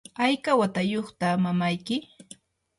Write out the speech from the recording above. ¿hayka watayuqta mamayki?